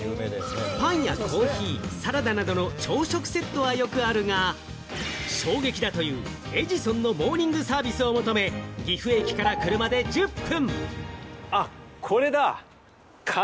パンやコーヒー、サラダなどの朝食セットはよくあるが、衝撃だというエジソンのモーニングサービスを求め、岐阜駅から車で１０分。